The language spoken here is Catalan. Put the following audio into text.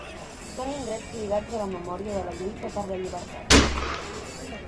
Són indrets lligats a la memòria de la lluita per la llibertat.